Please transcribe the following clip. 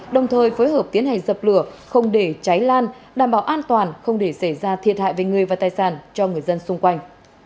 đồng thời phối hợp tiến hành dập lửa không để cháy lan đảm bảo an toàn không để xảy ra thiệt hại về người và tài sản cho người dân xung quanh